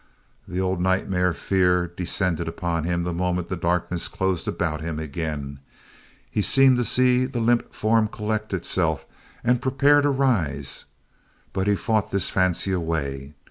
The old nightmare fear descended on him the moment the darkness closed about him again. He seemed to see the limp form collect itself and prepare to rise. But he fought this fancy away.